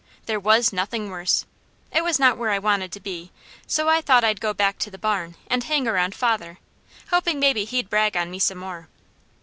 There was nothing worse. It was not where I wanted to be, so I thought I'd go back to the barn, and hang around father, hoping maybe he'd brag on me some more.